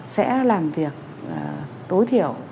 sẽ làm việc tối thiểu